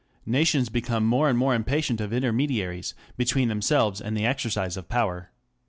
Nations become more and more impatient of intermediaries between themselves and the exercise of power.